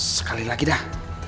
sekali lagi dah